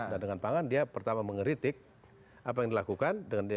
dan dengan pangan dia pertama mengeritik apa yang dilakukan